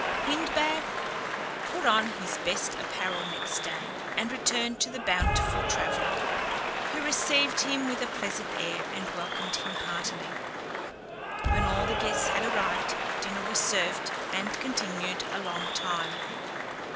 Hindbad put on his best apparel next day, and returned to the bountiful traveller, who received him with a pleasant air, and welcomed him heartily. When all the guests had arrived, dinner was served, and continued a long time.